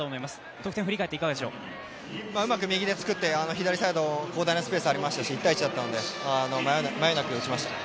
得点を振り返って、いかがでしょううまく右で作って左サイド、広大なスペースありましたし１対１だったので迷いなく打ちました。